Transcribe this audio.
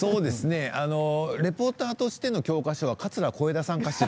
そうですねリポーターとしての教科書は桂小枝さんかしら？